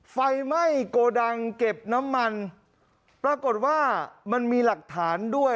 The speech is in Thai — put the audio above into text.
ไฟไหม้โกดังเก็บน้ำมันปรากฏว่ามันมีหลักฐานด้วย